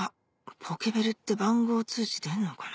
ポケベルって番号通知出んのかな？